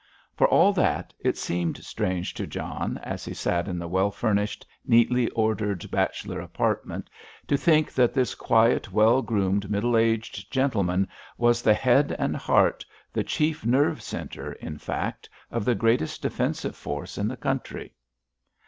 For all that, it seemed strange to John, as he sat in the well furnished, neatly ordered, bachelor apartment, to think that this quiet, well groomed, middle aged gentleman was the head and heart, the chief nerve centre, in fact, of the greatest defensive force in the country.